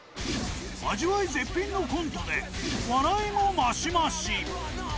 味わい絶品のコントで笑いも増し増し！